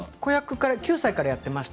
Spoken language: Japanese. ９歳からやってました。